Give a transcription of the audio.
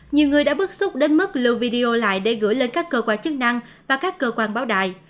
nhiều người đã bức xúc đến mức lưu video lại để gửi lên các cơ quan chức năng và các cơ quan báo đài